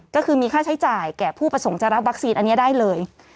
ก็คือมีค่าใช้จ่ายแก่ผู้ประสงค์จะรับวัคซีนอันนี้ได้เลย